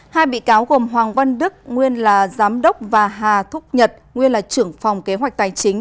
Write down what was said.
hai bị cáo gồm hoàng văn đức nguyên là giám đốc và hà thúc nhật nguyên là trưởng phòng kế hoạch tài chính